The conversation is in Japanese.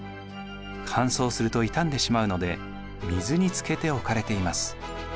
乾燥すると傷んでしまうので水につけて置かれています。